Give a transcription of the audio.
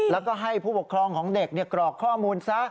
แล้วก็ให้ผู้ปกครองของเด็กกรอกข้อมูลซะ